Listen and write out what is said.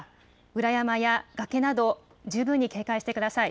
裏山や崖など十分に警戒してください。